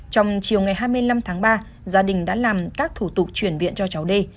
trong chiều ngày hai mươi năm tháng ba gia đình đã làm các thủ tục chuyển viện cho cháu đi